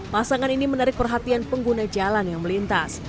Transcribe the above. pasangan ini menarik perhatian pengguna jalan yang melintas